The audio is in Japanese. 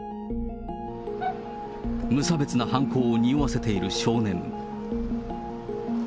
無差別な犯行をにおわせている少年。